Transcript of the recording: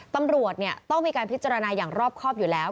ตำรวจต้องมีการพิจารณาอย่างรอบครอบอยู่แล้ว